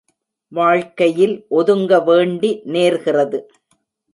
வாழ்க்கையில் ஒதுங்க வேண்டி நேர்கிறது.